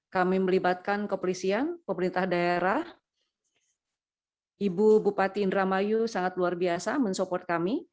kami melibatkan kepolisian pemerintah daerah ibu bupati indra mayu sangat luar biasa mensoport kami